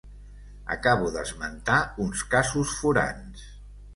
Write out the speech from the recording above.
Acabo d’esmentar uns casos forans.